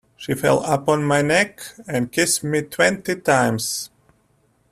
She fell upon my neck and kissed me twenty times.